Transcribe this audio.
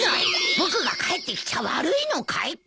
僕が帰ってきちゃ悪いのかい！